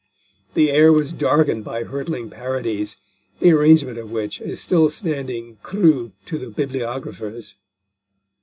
The air was darkened by hurtling parodies, the arrangement of which is still a standing crux to the bibliographers.